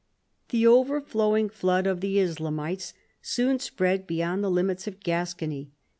The overflowing flood of the Islamites soon spread beyond the limits of Gascony.